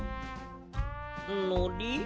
のり？